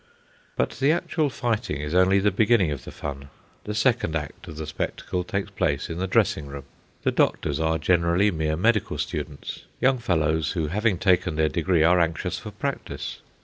But the actual fighting is only the beginning of the fun. The second act of the spectacle takes place in the dressing room. The doctors are generally mere medical students young fellows who, having taken their degree, are anxious for practice.